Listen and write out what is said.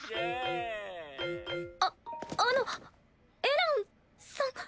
ああのエランさん？